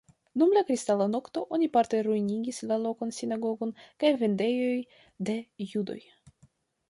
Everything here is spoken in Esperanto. Dum la Kristala Nokto oni parte ruinigis la lokan sinagogon kaj vendejoj de judoj.